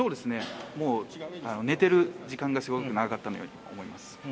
もう寝てる時間がすごく長かったと思います。